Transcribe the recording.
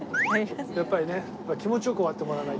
やっぱりね気持ち良く終わってもらわないと。